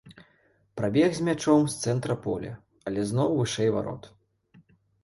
Прабег з мячом з цэнтра поля, але зноў вышэй варот.